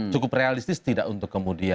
cukup realistis tidak untuk kemudian